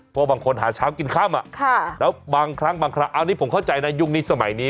เพราะบางคนหาเช้ากินข้ามอ่ะแล้วบางครั้งอันนี้ผมเข้าใจนะยุ่งนี้สมัยนี้